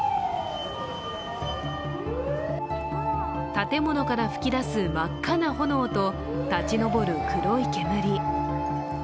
建物から噴き出す真っ赤な炎と立ち上る黒い煙。